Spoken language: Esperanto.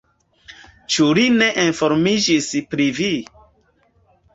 Ĉu li ne informiĝis pri vi?